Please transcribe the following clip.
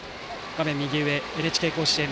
画面右上「ＮＨＫ甲子園」